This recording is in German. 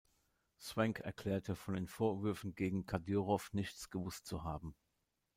Swank erklärte, von den Vorwürfen gegen Kadyrow nichts gewusst zu haben.